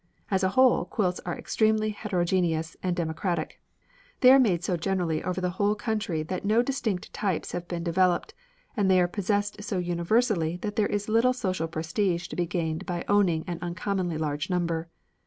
As a whole, quilts are extremely heterogeneous and democratic; they are made so generally over the whole country that no distinct types have been developed, and they are possessed so universally that there is little social prestige to be gained by owning an uncommonly large number.